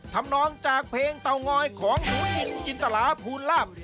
ทำนองจากเพลงเตางอยของหนูอินจินตลาภูลาภ